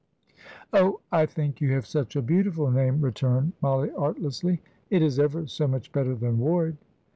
"Oh, I think you have such a beautiful name!" returned Mollie, artlessly. "It is ever so much better than Ward."